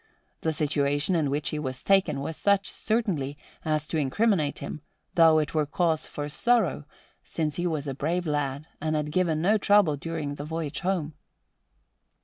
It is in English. The situation in which he was taken was such, certainly, as to incriminate him; though 'twere cause for sorrow, since he was a brave lad and had given no trouble during the voyage home."